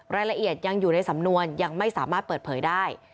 รายละเอียดยังอยู่ในสำนวนยังไม่สามารถเปิดเผยได้